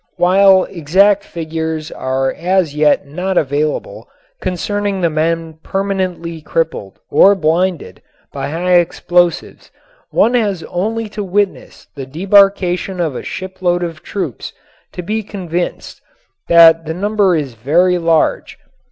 While exact figures are as yet not available concerning the men permanently crippled or blinded by high explosives one has only to witness the debarkation of a shipload of troops to be convinced that the number is very large.